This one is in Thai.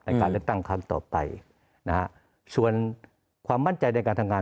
การเลือกตั้งครั้งต่อไปนะฮะส่วนความมั่นใจในการทำงาน